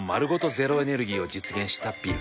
ゼロエネルギーを実現したビル。